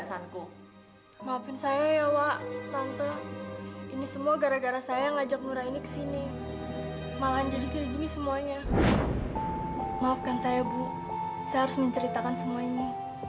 maafkan saya bu saya harus menceritakan semua ini